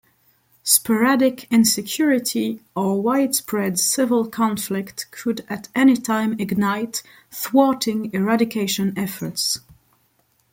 Sporadic insecurity or widespread civil conflict could at any time ignite, thwarting eradication efforts.